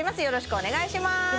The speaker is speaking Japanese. よろしくお願いします